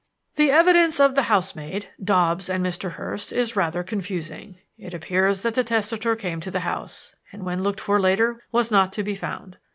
"The evidence of the housemaid, Dobbs, and of Mr. Hurst is rather confusing. It appears that the testator came to the house, and when looked for later was not to be found.